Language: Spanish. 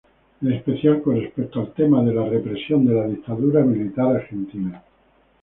En especial con respecto al tema de la represión de la dictadura militar argentina.